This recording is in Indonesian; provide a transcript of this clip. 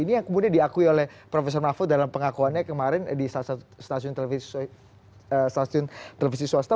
ini yang kemudian diakui oleh profesor mahfud dalam pengakuannya kemarin di salah satu stasiun televisi swasta